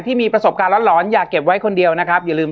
ที่มีประสบการณ์หลอนอย่าเก็บไว้คนเดียวนะครับอย่าลืม